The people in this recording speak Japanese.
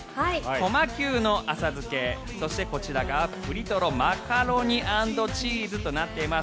トマキュウの浅漬けそしてこちらがぷりとろマカロニ＆チーズとなっています。